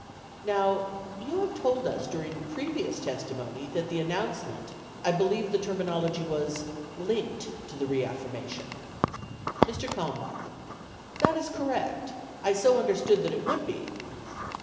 Now, you have told us during previous testi mony that the announcement — I believe the terminology was "linked" to the reaffirmation. Mr. Kalmbach. That is correct, I so understood that it would be.